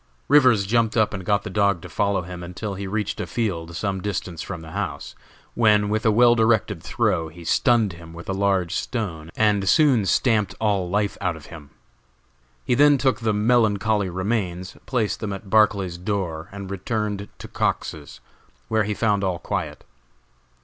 Rivers jumped up and got the dog to follow him until he reached a field some distance from the house, when, with a well directed throw he stunned him with a large stone, and soon stamped all life out of him. He then took the "melancholy remains," placed them at Barclay's door, and returned to Cox's, where he found all quiet.